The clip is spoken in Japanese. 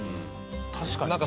確かにね。